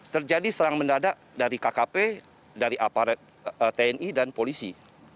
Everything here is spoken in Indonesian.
terjadi serang mendadak dari kkp dari aparat tni dan polisi